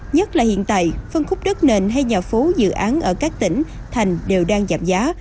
nhất là hiện tại phân khúc đất nền hay nhà phố dự án ở các tỉnh thành đều đang giảm giá